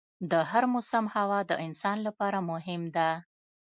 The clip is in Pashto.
د هر موسم هوا د انسان لپاره مهم ده.